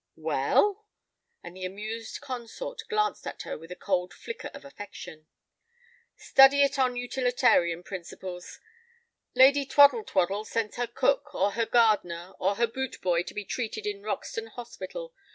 "Well?" And the amused consort glanced at her with a cold flicker of affection. "Study it on utilitarian principles. Lady Twaddle twaddle sends her cook, or her gardener, or her boot boy to be treated in Roxton Hospital.